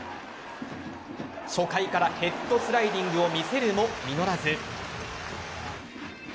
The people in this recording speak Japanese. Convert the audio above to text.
初回からヘッドスライディングを見せるも実らず。